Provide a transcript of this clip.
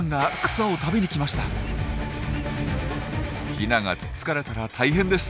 ヒナがつつかれたら大変です。